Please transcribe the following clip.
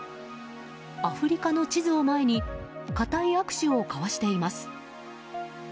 アフリカの地図を前に固い握手を交わしています。